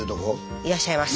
いらっしゃいます。